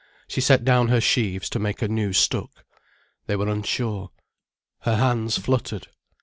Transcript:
She set down her sheaves to make a new stook. They were unsure. Her hands fluttered.